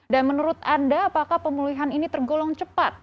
dan menurut anda apakah pemulihan ini tergolong cepat